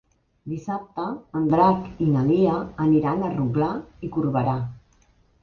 Dissabte en Drac i na Lia aniran a Rotglà i Corberà.